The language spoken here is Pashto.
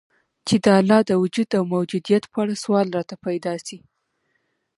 چي د الله د وجود او موجودیت په اړه سوال راته پیدا سي